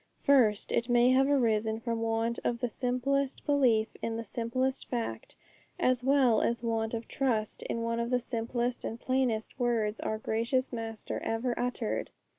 First, it may have arisen from want of the simplest belief in the simplest fact, as well as want of trust in one of the simplest and plainest words our gracious Master ever uttered!